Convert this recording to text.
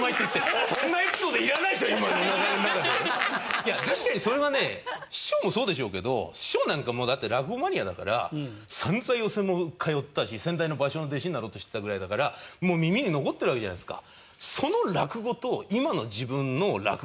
いや確かにそれはね師匠もそうでしょうけど師匠なんかもうだって落語マニアだから散々寄席も通ったし先代の馬生の弟子になろうとしてたぐらいだからもう耳に残ってるわけじゃないですか。